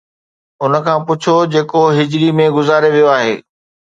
ان کان پڇو جيڪو هجري ۾ گذاري ويو آهي